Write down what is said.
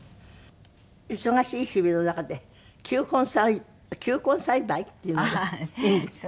忙しい日々の中で球根栽培っていうのがいいんですって？